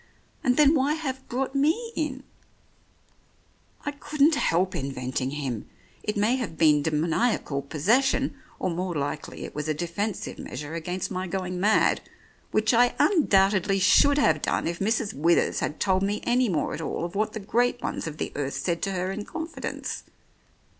"And then why have brought me in?" 91 The Oriolists "I couldn't help inventing him; it may have been demoniacal possession, or more likely it was a defen sive measure against my going mad, which I un doubtedly should have done if Mrs. Withers had told me any more at all of what the great ones of the earth said to her in confidence.